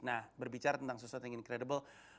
nah berbicara tentang sesuatu yang incredibel